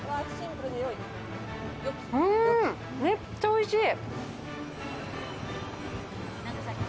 めっちゃおいしい！